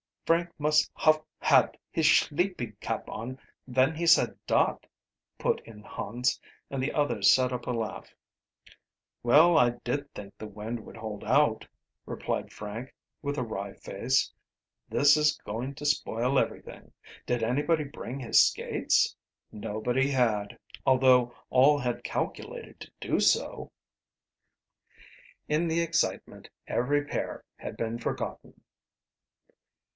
"Frank must haf had his schleepin' cap on ven he said dot," put in Hans, and the others set up a laugh. "Well, I did think the wind would hold out," replied Frank, with a wry face. "This is going to spoil everything. Did anybody bring his skates?" Nobody had, although all had calculated to do so. In the excitement every pair had been forgotten.